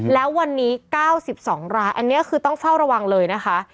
แล้ววันนี้๙๒รายอันนี้คือต้องเฝ้าระวังเลยนะคะ